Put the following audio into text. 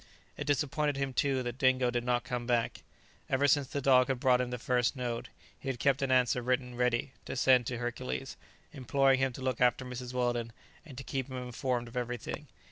It disappointed him, too, that Dingo did not come back. Ever since the dog had brought him the first note, he had kept an answer written ready to send to Hercules, imploring him to look after Mrs. Weldon, and to keep him informed of everything.